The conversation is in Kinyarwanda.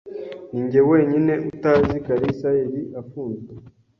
Ninjye wenyine utazi kalisa yari afunzwe.